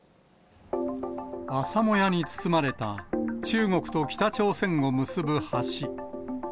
朝もやに包まれた中国と北朝鮮を結ぶ橋。